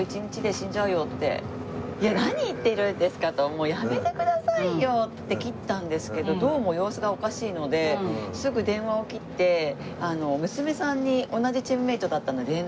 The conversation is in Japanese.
「もうやめてくださいよ！」って切ったんですけどどうも様子がおかしいのですぐ電話を切って娘さんに同じチームメートだったので連絡したんですね。